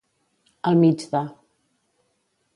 Al mig de.